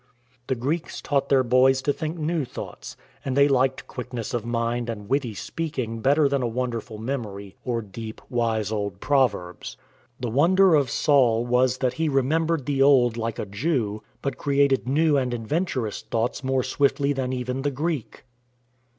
The Greeks taught their boys to think new thoughts, and they liked quickness of mind and witty speaking better than a wonderful memory or deep, THE LOOM OF THE TENT MAKER 39 wise, old proverbs. The wonder of Saul was that he remembered the old like a Jew, but created new and adventurous thoughts more swiftly than even the Greek.